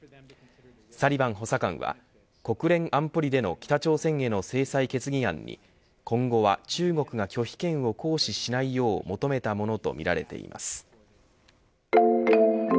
サリバン補佐官は国連安保理での北朝鮮への制裁決議案に今後は中国が拒否権を行使しないよう求めたものとみられています。